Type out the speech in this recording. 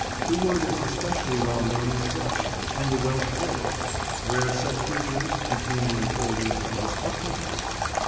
The word is especially well known in Shropshire and the Welsh borders, where such features, between the enfolding hills, are plentiful.